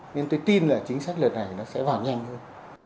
nên tôi tin là chính sách lần này nó sẽ vào nhanh hơn